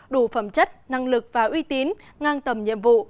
đủ phẩm chất năng lực và uy tín ngang tầm nhiệm vụ